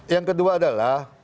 yang kedua adalah